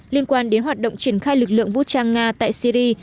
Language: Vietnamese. liên quan đến hoạt động triển khai lực lượng vũ trang nga tại syri